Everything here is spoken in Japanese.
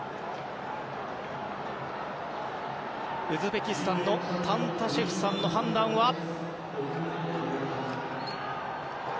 ウズベキスタンのタンタシェフさんの判断は。